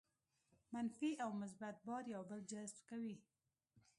منفي او مثبت بار یو بل جذب کوي.